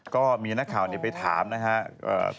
ก็มีหน้าข่าวนี้ไปถามนะครับ